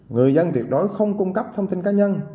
người dân tuyệt đối không cung cấp thông tin cá nhân